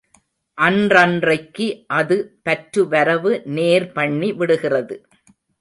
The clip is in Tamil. அன்றன்றைக்கு, அது பற்றுவரவு நேர் பண்ணி விடுகிறது.